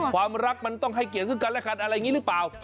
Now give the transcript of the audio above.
ความรักมันต้องให้เกียรติซึ่งกันและกันอะไรอย่างนี้หรือเปล่า